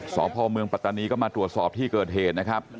สพเมืองปัตตานีก็มาตรวจสอบที่เกิดเหตุนะครับ